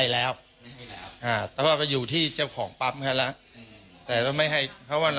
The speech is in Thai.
แล้วต่อไปนี้จะให้พีชมาขาย